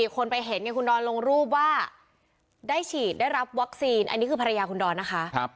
คนไปเห็นไงคุณดอนลงรูปว่าได้ฉีดได้รับวัคซีนอันนี้คือภรรยาคุณดอนนะคะ